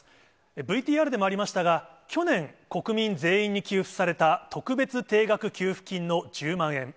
ＶＴＲでもありましたが、去年、国民全員に給付された特別定額給付金の１０万円。